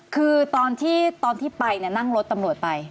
คือตอนที่ไปนั่งรถตำรวจไป